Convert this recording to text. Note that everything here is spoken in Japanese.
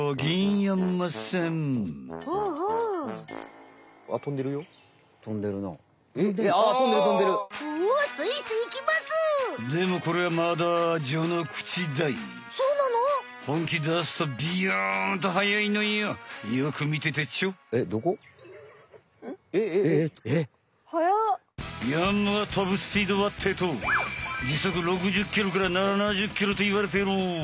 ヤンマが飛ぶスピードはってえと時速６０ｋｍから７０ｋｍといわれている。